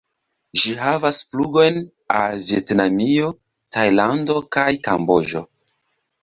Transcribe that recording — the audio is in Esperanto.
Ĝi havas flugojn al Vjetnamio, Tajlando kaj Kamboĝo.